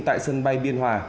tại sân bay biên hòa